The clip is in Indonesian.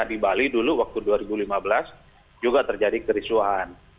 di bali dulu waktu dua ribu lima belas juga terjadi kericuhan